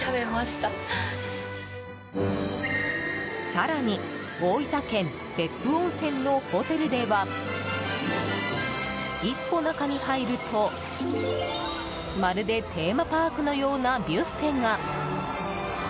更に、大分県別府温泉のホテルでは１歩中に入るとまるでテーマパークのようなビュッフェが。